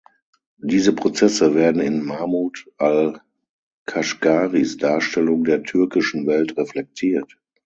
Diese Prozesse werden in Mahmud al-Kashgharis Darstellung der türkischen Welt reflektiert.